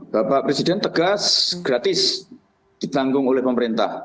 bapak presiden tegas gratis ditanggung oleh pemerintah